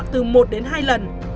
từ một đến hai lần